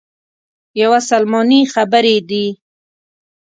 یوه سلماني خبرې دي.